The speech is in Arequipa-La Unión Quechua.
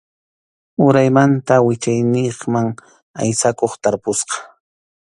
Uraymanta wichayniqman aysakuq tarpusqa.